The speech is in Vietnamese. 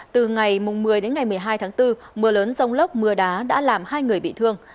từ ngày một mươi đến ngày một mươi hai tháng bốn mưa lớn rông lốc mưa đá đã làm hai người bị thương